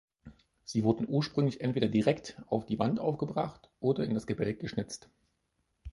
Sie wurden ursprünglich entweder direkt auf die Wand aufgebracht oder in das Gebälk geschnitzt.